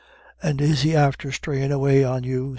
"And is he after strayin' away on you?"